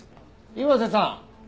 岩瀬さん！